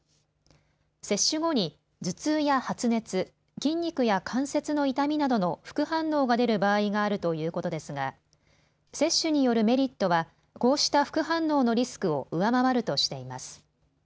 接種後に頭痛や発熱、筋肉や関節の痛みなどの副反応が出る場合があるということですが接種によるメリットはこうした副反応のリスクを上回るとしています。